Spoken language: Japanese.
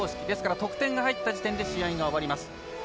ですから、得点が入った時点で試合が終わります。